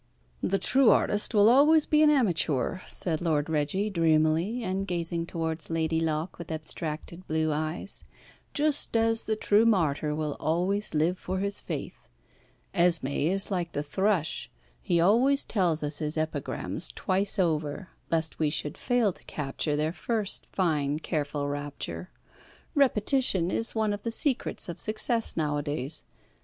"The true artist will always be an amateur," said Lord Reggie, dreamily, and gazing towards Lady Locke with abstracted blue eyes, "just as the true martyr will always live for his faith. Esmé is like the thrush. He always tells us his epigrams twice over, lest we should fail to capture their first fine careful rapture. Repetition is one of the secrets of success nowadays.